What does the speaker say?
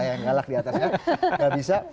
yang ngalah di atasnya nggak bisa